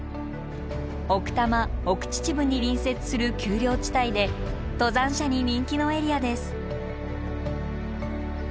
奥多摩奥秩父に隣接する丘陵地帯で登山者に人気のエリアです。